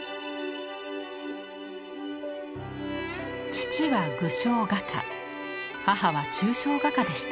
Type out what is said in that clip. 父は具象画家母は抽象画家でした。